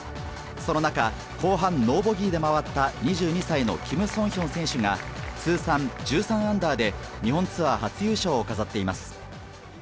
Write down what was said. その中、後半、ノーボギーで回った２２歳のキム・ソンヒョン選手が、通算１３アンダーで、日本ツアー初優勝を飾っています。